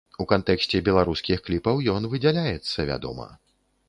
У кантэксце беларускіх кліпаў ён выдзяляецца, вядома.